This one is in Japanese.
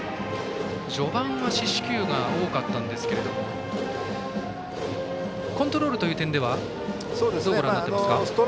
序盤は四死球が多かったんですけどもコントロールという点ではどのように見ていらっしゃいますか。